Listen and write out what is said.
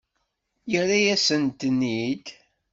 Yerra-yasent-ten-id.